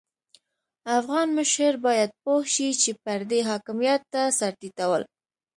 افغان مشر بايد پوه شي چې پردي حاکميت ته سر ټيټول.